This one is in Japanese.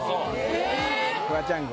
フワちゃん号。